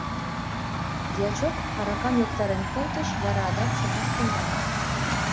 Дьячок аракам йоктарен колтыш, вара адак шонаш тӱҥале.